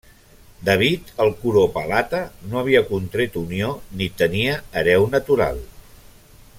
David el Curopalata no havia contret unió, ni tenia hereu natural.